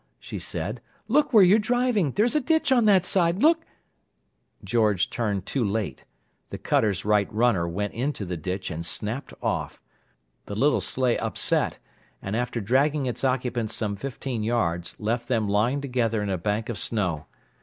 she said. "Look where you're driving! There's a ditch on that side. Look—" George turned too late; the cutter's right runner went into the ditch and snapped off; the little sleigh upset, and, after dragging its occupants some fifteen yards, left them lying together in a bank of snow.